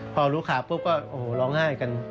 พอรู้ข่าวปุ๊บก็โอ้โหร้องไห้กัน